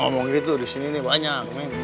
ngomong gitu di sini nih banyak